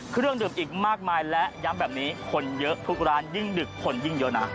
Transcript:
เครื่องดื่มอีกมากมายและย้ำแบบนี้คนเยอะทุกร้านยิ่งดึกคนยิ่งเยอะนะ